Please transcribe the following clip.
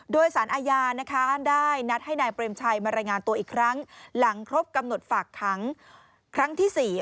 โดยสารอาญานะคะได้นัดให้นายเปรมชัยมารายงานตัวอีกครั้งหลังครบกำหนดฝากขังครั้งที่๔